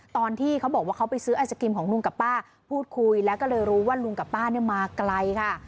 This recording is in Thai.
ตอนที่เขาบอกว่าเขาไปซื้อไอศครีมของลุงกับป้าพูดคุยแล้วก็เลยรู้ว่าลุงกับป้าเนี่ยมาไกลค่ะ